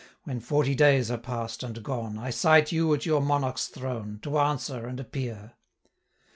When forty days are pass'd and gone, I cite you at your Monarch's throne, 750 To answer and appear.'